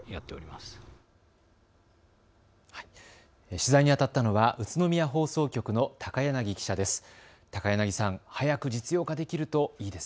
取材にあたったのは宇都宮放送局の高柳記者です。